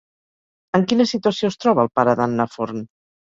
En quina situació es troba el pare d'Anna Forn?